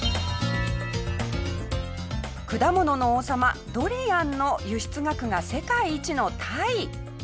果物の王様ドリアンの輸出額が世界一のタイ。